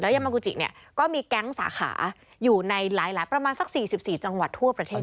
ยามากูจิเนี่ยก็มีแก๊งสาขาอยู่ในหลายประมาณสัก๔๔จังหวัดทั่วประเทศ